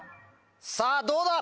さぁどうだ？